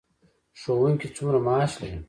ښوونکي څومره معاش لري؟